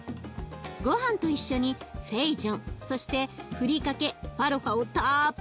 ごはんと一緒にフェイジョンそしてふりかけファロファをたっぷり入れます。